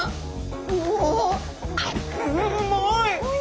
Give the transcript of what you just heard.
うまい！